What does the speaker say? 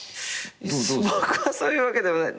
僕はそういうわけでは。